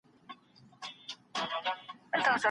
د ډنډ ترڅنګ د ږدن او مڼې ځای تر بل ځای ژر ړنګیږي.